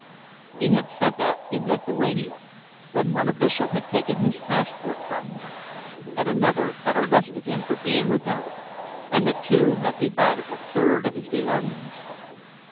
He had said that in Lithuania when one official had taken his passport from him, and another had arrested him for being without it, and the two had divided a third of his belongings.